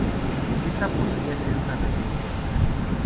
Ésta podría ser una nación próspera.